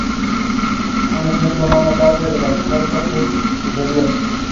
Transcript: Coincidentally, he later was traded to the Marlins for Lee.